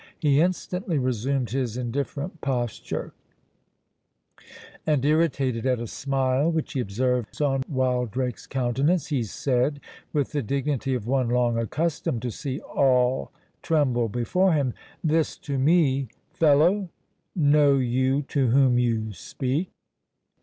He instantly resumed his indifferent posture; and, irritated at a smile which he observed on Wildrake's countenance, he said, with the dignity of one long accustomed to see all tremble before him, "This to me, fellow! Know you to whom you speak?"